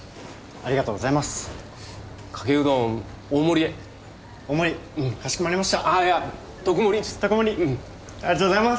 ありがとうございます。